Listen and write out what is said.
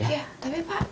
iya tapi pak